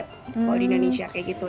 kalau di indonesia kayak gitu